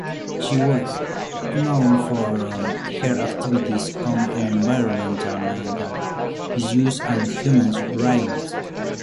She was also known for her activism on environmental issues and human rights.